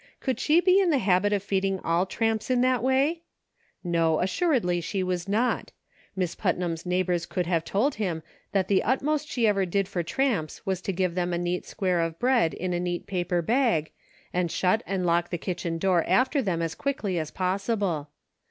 Could she be in the habit of feeding all tramps in that way .• No, as suredly she was not. Miss Putnam's neighbors could have told him that the utmost she ever did for tramps was to give them a neat square of bread in a neat paper bag, and shut and lock the kitchen door after them as quickly as possible.